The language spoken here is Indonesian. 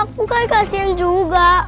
aku kan kasian juga